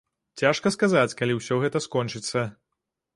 Цяжка сказаць, калі ўсё гэта скончыцца.